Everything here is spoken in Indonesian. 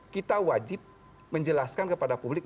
kita wajib menjelaskan kepada publik